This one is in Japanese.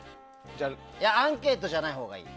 アンケートじゃないほうがいい。